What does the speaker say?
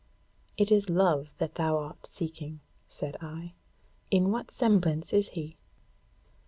'It is love that thou art seeking,' said I. 'In what semblance is he?'